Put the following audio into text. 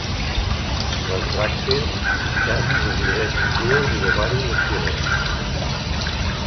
Les bràctees internes es divideixen en dues i l'ovari és pilós.